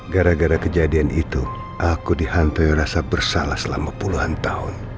gara gara kejadian itu aku dihantai rasa bersalah selama puluhan tahun